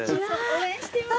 応援してます。